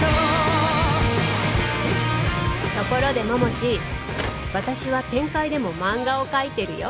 ところで桃地私は天界でも漫画を描いてるよ